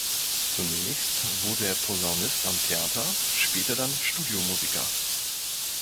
Zunächst wurde er Posaunist am Theater, später dann Studiomusiker.